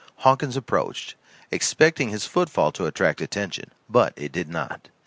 Hawkins approached, expecting his footfall to attract attention, but it did not.